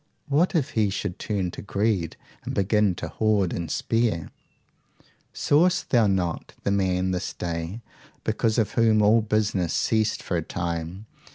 What if he should turn to greed, and begin to hoard and spare? Sawest thou not the man this day because of whom all business ceased for a time?